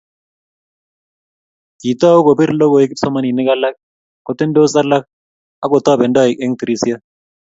Kitou kopir lokoi kipsomaninik alak, kotensot alak akotobendoi eng tirishet